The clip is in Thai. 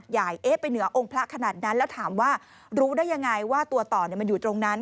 เอ๊ะไปเหนือองค์พระขนาดนั้นแล้วถามว่ารู้ได้ยังไงว่าตัวต่อมันอยู่ตรงนั้น